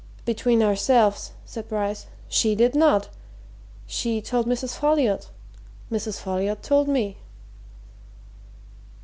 "Between ourselves," said Bryce, "she did not! She told Mrs. Folliot Mrs. Folliot told me."